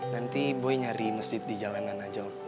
nanti boy nyari masjid di jalanan aja